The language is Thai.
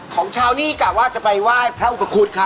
ของเช้านี่กะว่าจะไปว่ายพระอุปกรณ์ค่ะ